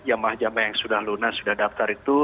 jamah jamah yang sudah lunas sudah daftar itu